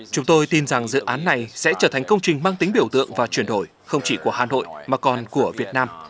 chúng tôi tin rằng dự án này sẽ trở thành công trình mang tính biểu tượng và chuyển đổi không chỉ của hà nội mà còn của việt nam